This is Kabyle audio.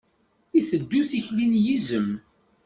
Iteddu tikli n yizem.